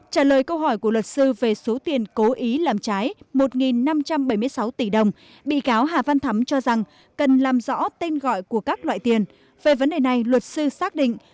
trả lời câu hỏi của luật sư về số tiền cố ý làm trái một năm trăm bảy mươi sáu tỷ đồng bị cáo hà văn thắm cho rằng cần làm rõ tên gọi của các loại tiền về vấn đề này luật sư xác định